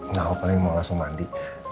nggak aku paling mau langsung mandi